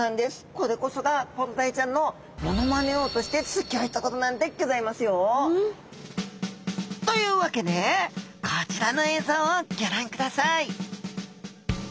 これこそがコロダイちゃんのモノマネ王としてすギョいところなんでギョざいますよ。というわけでこちらの映像をギョ覧ください